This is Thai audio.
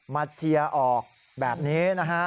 มาเจียออกแบบนี้